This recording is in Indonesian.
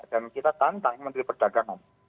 dan kita tantang menteri perdagangan